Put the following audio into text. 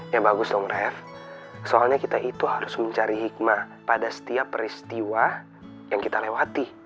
ya bagus dong ref soalnya kita itu harus mencari hikmah pada setiap peristiwa yang kita lewati